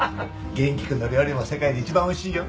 元気君の料理も世界で一番おいしいよ！